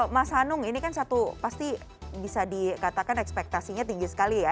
mas hanung ini kan satu pasti bisa dikatakan ekspektasinya tinggi sekali ya